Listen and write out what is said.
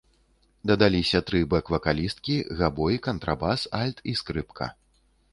Дадаліся тры бэк-вакалісткі, габой, кантрабас, альт і скрыпка.